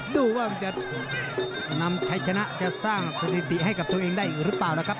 ดูว่ามันจะนำชัยชนะจะสร้างสถิติให้กับตัวเองได้อีกหรือเปล่านะครับ